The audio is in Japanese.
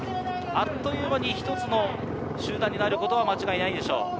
あっという間に一つの集団になることは間違いないでしょう。